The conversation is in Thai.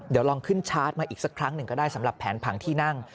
เดี๋ยวลองขึ้นชาร์จมาอีกสักครั้งหนึ่งก็ได้สำหรับแผนผังที่นั่ง